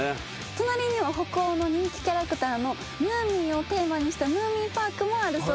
隣には北欧の人気キャラクターのムーミンをテーマにしたムーミンパークもあるそうです。